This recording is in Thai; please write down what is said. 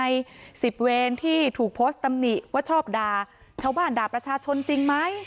ใน๑๐เวรที่ถูกโพสต์ตำหนิว่าชอบด่าชาวบ้านด่าประชาชนจริงไหม